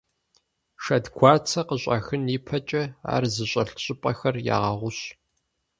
Шэдгуарцэ къыщӀахын ипэкӀэ ар зыщӀэлъ щӀыпӀэхэр ягъэгъущ.